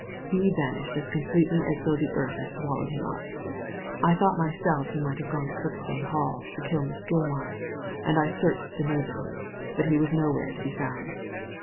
He vanished as completely as though the earth had swallowed him up. I thought myself he might have gone to Kirkstone Hall to kill Miss Gilmar ; and I searched the neighbourhood, but he was nowhere to be found.